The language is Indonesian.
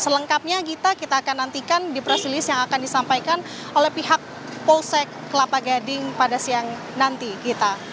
selengkapnya gita kita akan nantikan di press release yang akan disampaikan oleh pihak polsek kelapa gading pada siang nanti gita